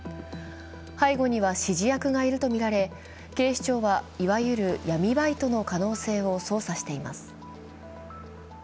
背後には指示役がいるとみられ警視庁はいわゆる闇バイトの可能性を捜査しています。